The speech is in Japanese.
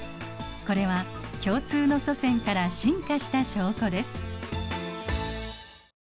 これは共通の祖先から進化した証拠です。